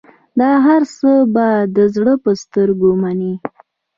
دا هرڅه به د زړه په سترګو منې.